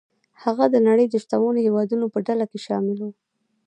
هغه د نړۍ د شتمنو هېوادونو په ډله کې شامل و.